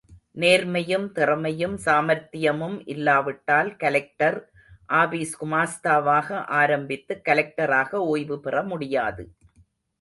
நேர்மையும், திறமையும், சாமர்த்தியமும் இல்லாவிட்டால், கலெக்டர் ஆபீஸ் குமாஸ்தாவாக ஆரம்பித்து, கலெக்டராக ஓய்வு பெற முடியாது.